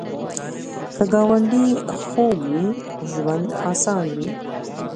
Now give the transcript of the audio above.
که ګاونډي خوږ وي، ژوند اسان وي